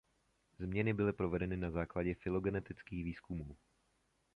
Změny byly provedeny na základě fylogenetických výzkumů.